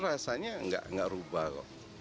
rasanya nggak rubah kok